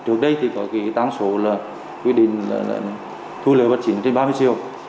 trước đây có tăng số quy định thu lời bật chỉnh trên ba mươi triệu